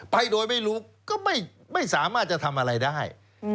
ไปโดยไม่รู้ก็ไม่สามารถจะทำอะไรได้